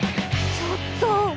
ちょっと！